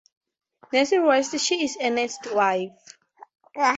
Nancy Wright: She is Ernest's wife.